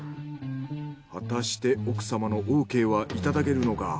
果たして奥様のオーケーはいただけるのか？